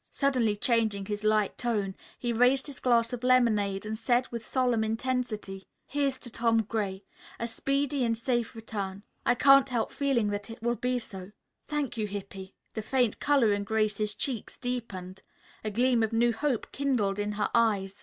Suddenly changing his light tone, he raised his glass of lemonade and said with solemn intensity: "Here's to Tom Gray; a speedy and safe return. I can't help feeling that it will be so." "Thank you, Hippy." The faint color in Grace's cheeks deepened. A gleam of new hope kindled in her eyes.